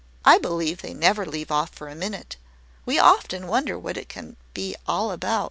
I believe they never leave off for a minute. We often wonder what it can be all about."